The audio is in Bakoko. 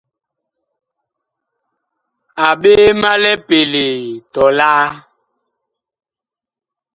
A ɓee ma lipelee tɔlaa !